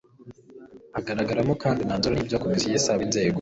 hagaragamo kandi umwanzuro n ibyo komisiyo isaba inzego